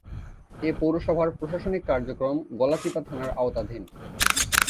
এ পৌরসভার প্রশাসনিক কার্যক্রম গলাচিপা থানার আওতাধীন।